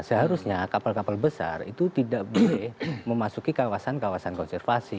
seharusnya kapal kapal besar itu tidak boleh memasuki kawasan kawasan konservasi